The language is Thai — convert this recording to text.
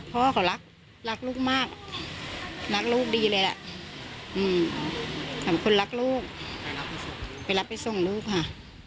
พ่อเขารักลูกมากรักลูกดีเลยแหละขอบคุณรักลูกไปรับให้ทรงลูกค่ะ